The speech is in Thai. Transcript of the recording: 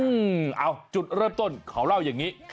เอาจุดเริ่มต้นเขาเล่าอย่างนี้